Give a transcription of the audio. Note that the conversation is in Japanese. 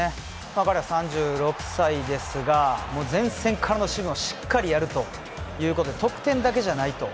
彼は、３６歳ですが、前線からの守備をしっかりやるということで得点だけじゃないと。